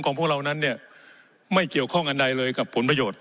พวกเรานั้นเนี่ยไม่เกี่ยวข้องอันใดเลยกับผลประโยชน์